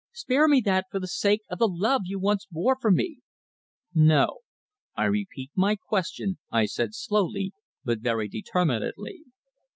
Spare me that, for the sake of the love you once bore for me." "No. I repeat my question," I said slowly, but very determinedly.